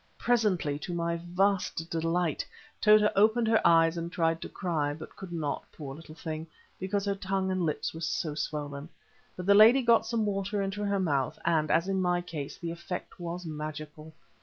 Presently, to my vast delight, Tota opened her eyes and tried to cry, but could not, poor little thing, because her tongue and lips were so swollen. But the lady got some water into her mouth, and, as in my case, the effect was magical.